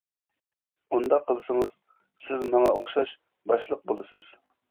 ئۇنداق قىلسىڭىز سىز ماڭا ئوخشاش باشلىق بولىسىز.